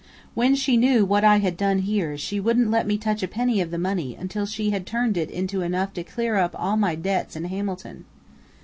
When she knew what I had done here, she wouldn't let me touch a penny of the money until she had turned it into enough to clear up all my debts in Hamilton....